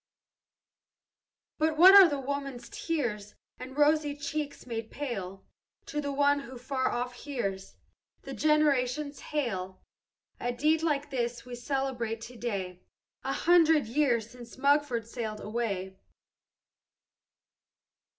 "But what are woman's tears, And rosy cheeks made pale, To one who far off hears The generations hail A deed like this we celebrate to day, A hundred years since Mugford sailed away!